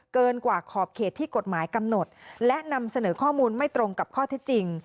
เกินกว่าขอบเขตที่กฎหมายกำหนดและนำเสนอข้อมูลไม่ตรงกับข้อเท็จจริง